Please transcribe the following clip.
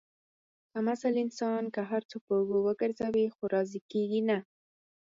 کم اصل انسان که هر څو په اوږو وگرځوې، خو راضي کېږي نه.